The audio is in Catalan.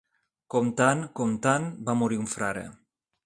Comptant, comptant, va morir un frare.